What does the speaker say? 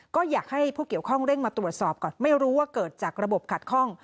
ก็อยากให้ผู้เกี่ยวข้องเร่งมาตรวจสอบก่อนไม่รู้ว่าเกิดจากระบบขัดข้อง